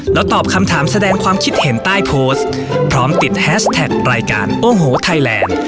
แล้วตอบคำถามแสดงความคิดเห็นใต้โพสต์พร้อมติดแฮชแท็กรายการโอ้โหไทยแลนด์